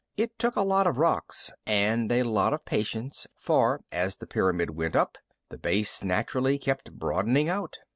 It took a lot of rocks and a lot of patience, for as the pyramid went up, the base naturally kept broadening out.